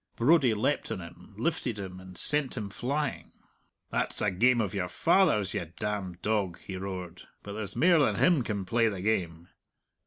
Brodie leapt on him, lifted him, and sent him flying. "That's a game of your father's, you damned dog," he roared. "But there's mair than him can play the game!"